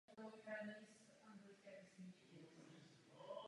Trio z Belleville.